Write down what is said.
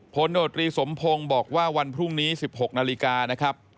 โนตรีสมพงศ์บอกว่าวันพรุ่งนี้๑๖นาฬิกานะครับ